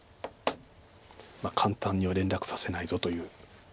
簡単には連絡させないぞという。